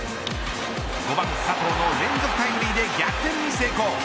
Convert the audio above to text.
５番、佐藤の連続タイムリーで逆転に成功。